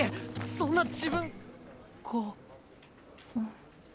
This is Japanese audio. そんな自分がん？